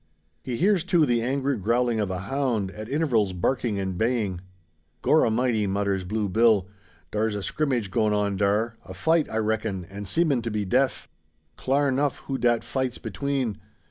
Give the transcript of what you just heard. He hears, too, the angry growling of a hound, at intervals barking and baying. "Gorramity!" mutters Blue Bill; "dar's a skrimmage goin' on dar a fight, I reck'n, an' seemin' to be def! Clar enuf who dat fight's between.